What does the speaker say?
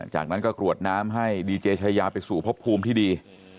จากนั้นก็กรวดน้ำให้ดีเจชายาไปสู่พบภูมิที่ดี